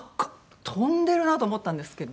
飛んでるなと思ったんですけど。